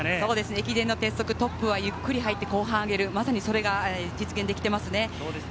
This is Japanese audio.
駅伝の鉄則、トップはゆっくり入って後半上げる、まさに実現できています。